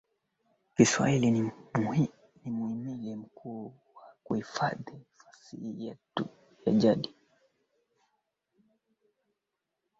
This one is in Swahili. Idadi ya wakazi ilikuwa milioni moja